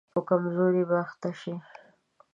په کمزوري به اخته شي.